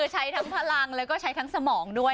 ใช้ทั้งพลังแล้วก็ใช้ทั้งสมองด้วย